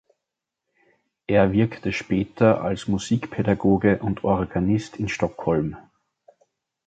Er wirkte später als Musikpädagoge und Organist in Stockholm.